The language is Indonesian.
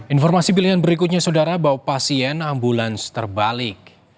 informasi pilihan berikutnya saudara bawa pasien ambulans terbalik